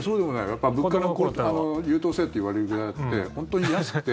やっぱり物価の優等生といわれるぐらいあって本当に安くて。